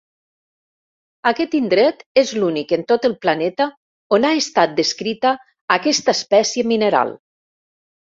Aquest indret és l'únic en tot el planeta on ha estat descrita aquesta espècie mineral.